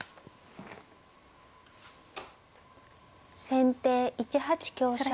先手１八香車。